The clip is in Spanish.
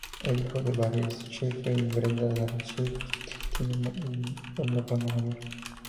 Es hijo de Barry Sheffield y Brenda Dare-Sheffield, tiene un hermano mayor.